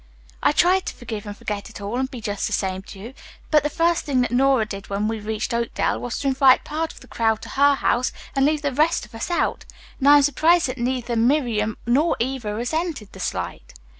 "I tried to forgive and forget it all, and be just the same to you, but the first thing that Nora did when we reached Oakdale was to invite part of the crowd to her house and leave the rest of us out, and I am surprised that neither Miriam nor Eva resented the slight."